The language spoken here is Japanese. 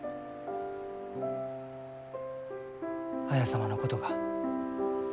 綾様のことが。